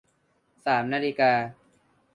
สามนาฬิกา